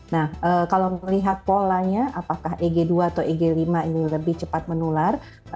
nah kalau melihat polanya apakah eg dua atau eg lima ini lebih cepat menular